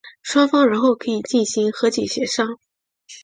双方然后可以进行和解协商。